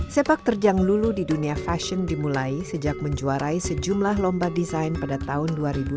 sepak terjang lulu di dunia fashion dimulai sejak menjuarai sejumlah lomba desain pada tahun dua ribu dua